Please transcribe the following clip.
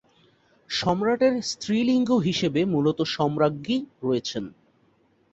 সম্রাটের স্ত্রীলিঙ্গ হিসেবে মূলত সম্রাজ্ঞী রয়েছেন।